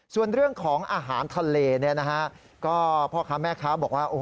ส่วนเรื่องของอาหารทะเลเนี่ยนะฮะก็พ่อค้าแม่ค้าบอกว่า